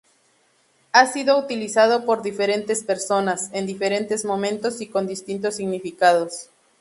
Ha sido utilizado por diferentes personas, en diferentes momentos y con distintos significados.